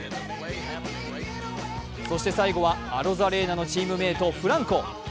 そして最後はアロザレーナのチームメイト、フランコ。